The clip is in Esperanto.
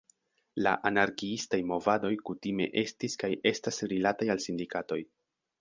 La anarkiistaj movadoj kutime estis kaj estas rilataj al sindikatoj.